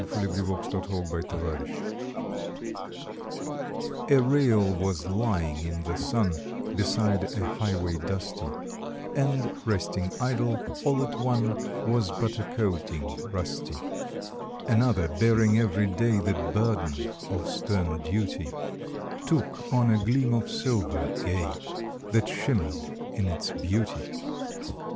March Twenty ninth TWO RAILS A RAIL was lying in the sun ^ Beside a highway dusty, And, resting idle, all it won Was but a coating rusty. Another, bearing every day The burden of stern duty, Took on a gleam of silver gay That shimmered in its beauty.